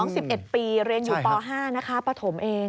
ใช่ค่ะน้อง๑๑ปีเรียนอยู่ป๕นะคะปถมเอง